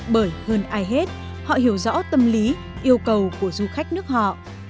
bởi hơn ai hết họ hiểu rõ tâm lý yêu cầu của du khách nước họ